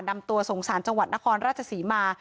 นำตัวส่งสารจังหวัดนครราชศรีมา